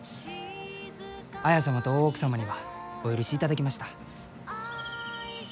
綾様と大奥様にはお許しいただきました。